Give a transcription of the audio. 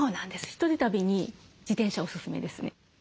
１人旅に自転車おすすめですね。